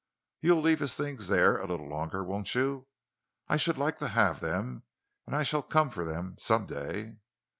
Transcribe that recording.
"You'll leave his things there—a little longer, won't you? I should like to have them, and I shall come for them, some day."